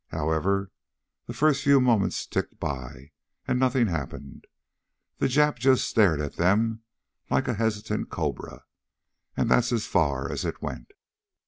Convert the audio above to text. However, the first few moments ticked by, and nothing happened. The Jap just stared at them like a hesitant cobra, and that's as far as it went.